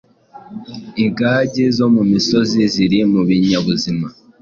Ingagi zo mu misozi ziri mu binyabuzima